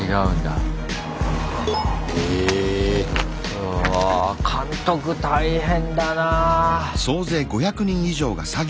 うわ監督大変だな！